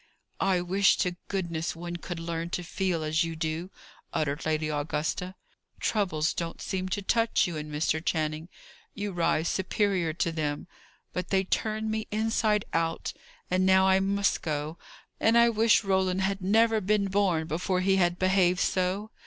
"I wish to goodness one could learn to feel as you do!" uttered Lady Augusta. "Troubles don't seem to touch you and Mr. Channing; you rise superior to them: but they turn me inside out. And now I must go! And I wish Roland had never been born before he had behaved so!